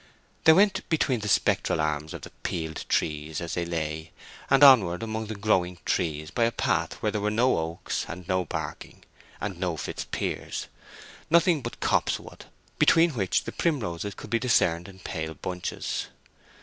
They went between the spectral arms of the peeled trees as they lay, and onward among the growing trees, by a path where there were no oaks, and no barking, and no Fitzpiers—nothing but copse wood, between which the primroses could be discerned in pale bunches.